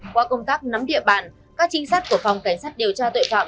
qua công tác nắm địa bàn các chính sách của phòng cảnh sát điều tra tội phạm